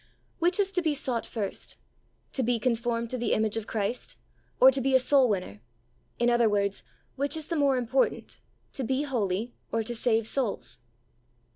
Which is to be sought first, "to be conformed to the image of Christ," or to be a soul winner ; in other words, which is the more important, to be holy or to save souls